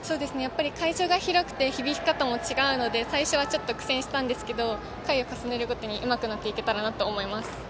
会場が広くて響き方も違うので最初は苦戦したんですが回を重ねるごとにうまくなっていければと思います。